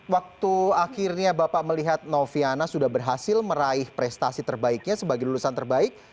waktu akhirnya bapak melihat noviana sudah berhasil meraih prestasi terbaiknya sebagai lulusan terbaik